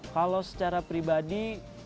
kalau secara pribadi